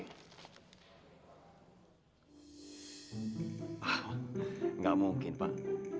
hah gak mungkin pak